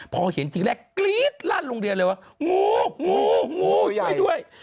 พอเห็นทีแรกกรี๊ดลั่นโรงเรียนเลยว่างูงูงูช่วยด้วย